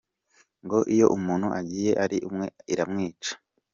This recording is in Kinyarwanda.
Ngo iyo umuntu agiye ari umwe iramwica.